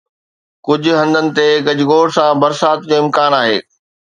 ڪجهه هنڌن تي گجگوڙ سان برسات جو امڪان آهي